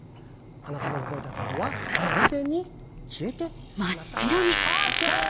あなたの覚えたカードは完全に消えてしまったんです。